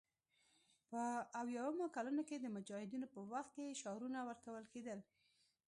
په اویایمو کلونو کې د مجاهدینو په وخت کې شعارونه ورکول کېدل